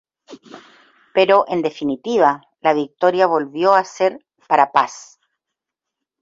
Pero, en definitiva, la victoria volvió a ser para Paz.